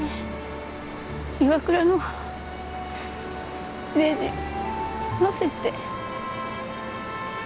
ＩＷＡＫＵＲＡのねじ載せて。